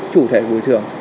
chủ thể bồi thường